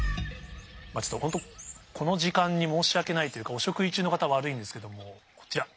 ちょっと本当この時間に申し訳ないというかお食事中の方悪いんですけどもこちら。